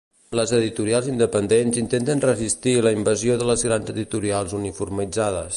Les editorials independents intenten resistir la invasió de les grans editorials uniformitzades.